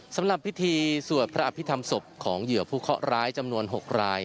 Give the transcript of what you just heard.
สำหรับพิธีสวดพระอภิษฐรรมศพของเหยื่อผู้เคาะร้ายจำนวน๖ราย